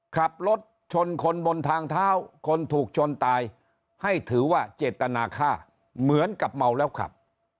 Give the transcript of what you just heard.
ขับรถชนคนบนทางเท้าคนถูกชนตายให้ถือว่าเจตนาค่าเหมือนกับเมาแล้วขับ